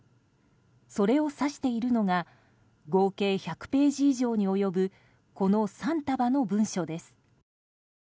それを指しているのが合計１００ページ以上に及ぶこの３束の文書です。